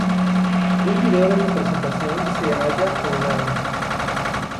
Un video de su presentación se halla on-line.